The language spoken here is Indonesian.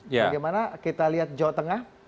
bagaimana kita lihat jawa tengah